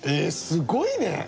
すごいね。